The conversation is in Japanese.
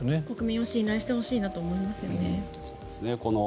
国民を信頼してほしいなと思いますね。